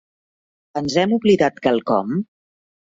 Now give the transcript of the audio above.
Ens hem oblidat quelcom?